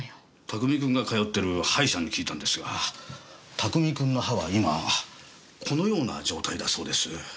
拓海君が通ってる歯医者に聞いたんですが拓海君の歯は今このような状態だそうです。